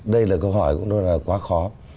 đây là câu hỏi cũng rất là quá khó